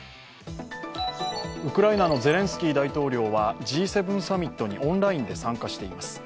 ウクライナのゼレンスキー大統領は、Ｇ７サミットにオンラインで参加しています。